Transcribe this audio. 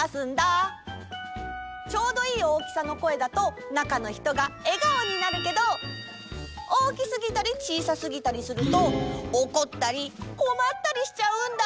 ちょうどいい大きさの声だとなかのひとがえがおになるけど大きすぎたりちいさすぎたりするとおこったりこまったりしちゃうんだ。